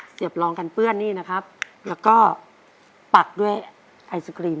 เสียบรองกันเปื้อนนี่นะครับแล้วก็ปักด้วยไอศครีม